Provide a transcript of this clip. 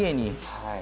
はい。